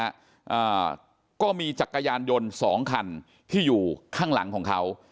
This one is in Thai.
อ่าก็มีจักรยานยนต์สองคันที่อยู่ข้างหลังของเขา